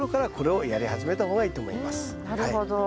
なるほど。